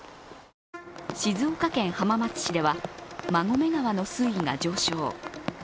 静岡県浜松市では馬込川の水位が上昇。